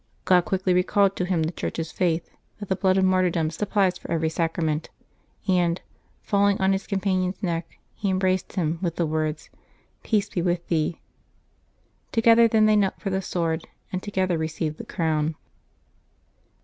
God quickly recalled to him the Church's faith, that the blood of martyrdom supplies for every sacrament, and, falling on his companion's neck, he embraced him, with the words, " Peace be with thee !" Together then they knelt for the sword, and together received the crown.